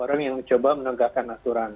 orang yang mencoba menegakkan aturan